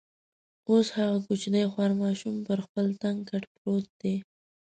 اوس هغه کوچنی خوار ماشوم پر خپل تنګ کټ پروت دی.